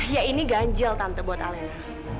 ya ini ganjil tante buat alena